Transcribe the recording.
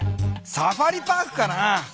サファリパークかな？